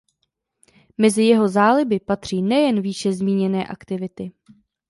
Mezi jeho záliby patří nejen výše zmíněné aktivity.